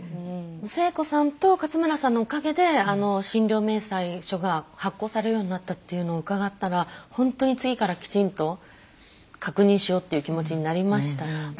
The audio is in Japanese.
星子さんと勝村さんのおかげで診療明細書が発行されるようになったっていうのを伺ったらほんとに次からきちんと確認しようっていう気持ちになりました何か。